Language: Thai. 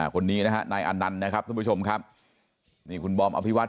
คนนี้นะฮะนายอนันต์นะครับท่านผู้ชมครับนี่คุณบอมอภิวัต